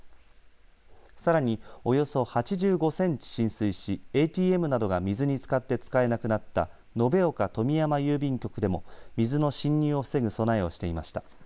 さらに、およそ８５センチ浸水しＡＴＭなどが水につかって使えなくなった延岡富美山郵便局でも水の侵入を防ぐ備えをしていました。